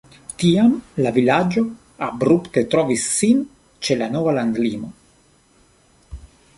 Tiam la vilaĝo abrupte trovis sin ĉe la nova landlimo.